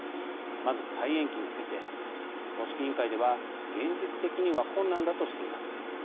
まず、再延期について組織委員会では現実的には困難だとしています。